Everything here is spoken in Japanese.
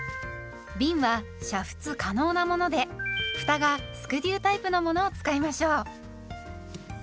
びんは煮沸可能なものでふたがスクリュータイプのものを使いましょう。